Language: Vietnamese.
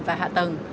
và hạ tầng